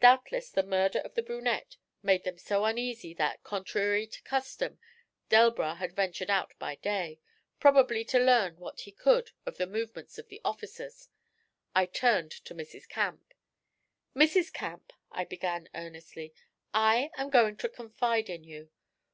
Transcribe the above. Doubtless the murder of the brunette made them so uneasy that, contrary to custom, Delbras had ventured out by day, probably to learn what he could of the movements of the officers. I turned to Mrs. Camp. 'Mrs. Camp,' I began earnestly, 'I am going to confide in you.